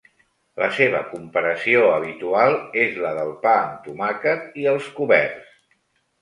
La seva comparació habitual és la del pa amb tomàquet i els coberts.